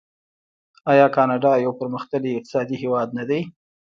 آیا کاناډا یو پرمختللی اقتصادي هیواد نه دی؟